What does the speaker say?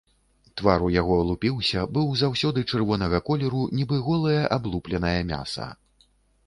Твар у яго лупіўся, быў заўсёды чырвонага колеру, нібы голае аблупленае мяса.